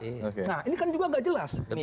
nah ini kan juga nggak jelas